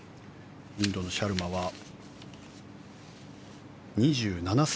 インドのシャルマは２７歳。